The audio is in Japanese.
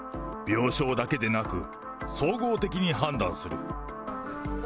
病床だけでなく、総合的に判断する。